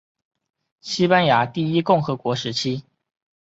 西班牙第一共和国时期。